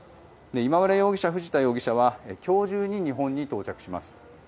今村容疑者、藤田容疑者は今日中に日本に到着します。